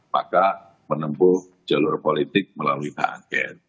maka menempuh jalur politik melalui hak angket